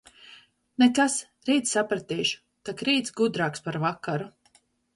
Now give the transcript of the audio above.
Nekas, rīt sapratīšu, tak rīts gudrāks par vakaru.